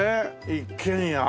一軒家。